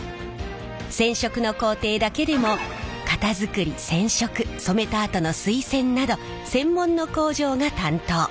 染色の工程だけでも型作り染色染めたあとの水洗など専門の工場が担当。